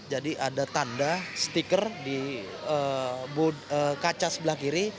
jadi ada tanda stiker di kaca sebelah kiri